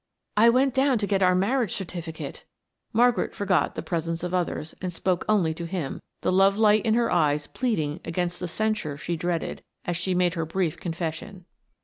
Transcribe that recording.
"I went down to get our marriage certificate." Margaret forgot the presence of others and spoke only to him, the love light in her eyes pleading against the censure she dreaded, as she made her brief confession.